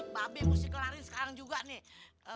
mbak be mesti kelarin sekarang juga nih